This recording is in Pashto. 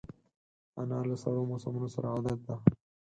انا له سړو موسمونو سره عادت ده